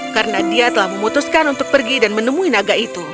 karena dia telah memutuskan untuk pergi dan menemui naga itu